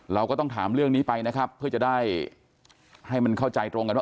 เราก็ต้องถามเรื่องนี้ไปนะครับเพื่อจะได้ให้มันเข้าใจตรงกันว่า